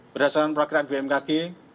berdasarkan perakiran bmkg